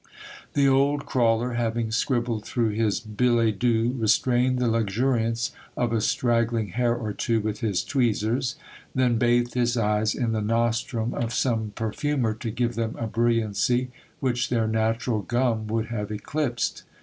The old crawler, having scribbled through his billet doux, restrained the luxuriance of a straggling hair or two with his tweezers ; then bathed his eyes AX ANTIQUATED LOVER. 147 in the nostrum of some perfumer to give them a brilliancy which their natural gum would have eclipsed.